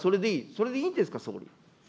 それでいいんですか、それで。